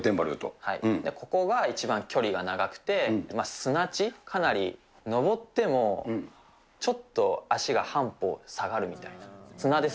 ここが一番距離が長くて、砂地、かなり登ってもちょっと足が半歩下がるみたいな。